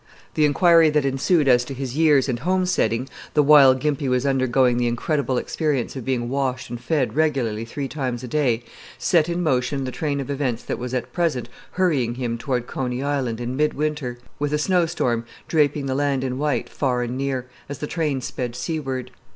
The inquiry that ensued as to his years and home setting, the while Gimpy was undergoing the incredible experience of being washed and fed regularly three times a day, set in motion the train of events that was at present hurrying him toward Coney Island in midwinter, with a snow storm draping the land in white far and near, as the train sped seaward.